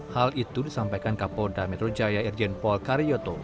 hal itu disampaikan kapolda metro jaya irjen paul karyoto